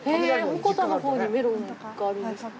鉾田のほうにメロンがあるんですか？